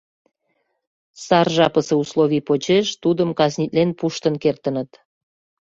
Сар жапысе условий почеш тудым казнитлен пуштын кертыныт.